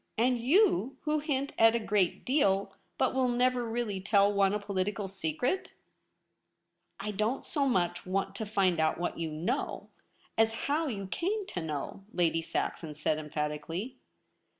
And you, who hint at a great deal, but will never really tell one a political secret.' * I don't so much want to find out what you know, as how you came to know,' Lady Saxon said emphatically.